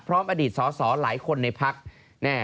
พร้อมอดีตสอหลายคนในภักดิ์